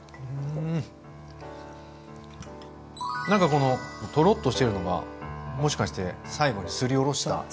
何かこのとろっとしてるのがもしかして最後にすりおろした。